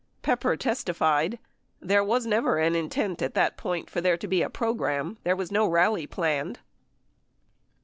Pepper testified, "There was never an intent at that point for there to be a program. ... There was no rally planned.